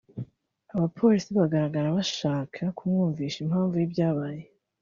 Abapolisi bagaragara bashaka kumwumvisha impamvu y’ibyabaye